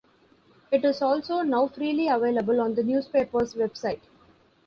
It is also now freely available on the newspaper's website.